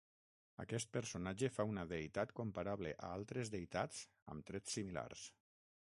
Aquest personatge fa una deïtat comparable a altres deïtats amb trets similars.